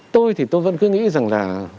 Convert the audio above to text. tôi thì tôi vẫn cứ nghĩ rằng là